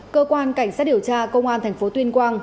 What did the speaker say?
cơ quan cảnh sát điều tra công an thành phố tuyên quang